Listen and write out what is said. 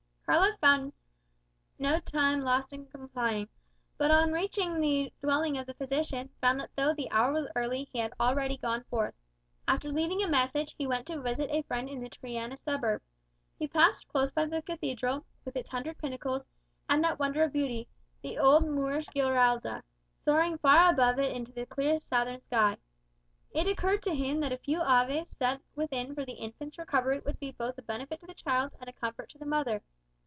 Carlos lost no time in complying; but on reaching the dwelling of the physician, found that though the hour was early he had already gone forth. After leaving a message, he went to visit a friend in the Triana suburb. He passed close by the Cathedral, with its hundred pinnacles, and that wonder of beauty, the old Moorish Giralda, soaring far up above it into the clear southern sky. It occurred to him that a few Aves said within for the infant's recovery would be both a benefit to the child and a comfort to the mother.